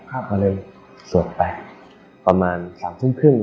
ก็เลยสวดไปประมาณสามทุ่มครึ่ง